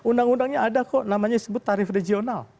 undang undangnya ada kok namanya disebut tarif regional